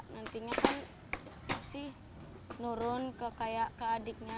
nantinya kan harusnya nurun ke adiknya